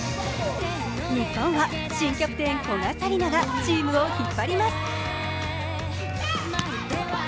日本は新キャプテン、古賀紗理那がチームを引っ張ります。